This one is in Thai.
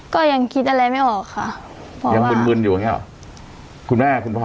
ก็ยังคิดอะไรไม่ออกค่ะยังมึนมึนอยู่อย่างเงี้หรอคุณแม่คุณพ่อ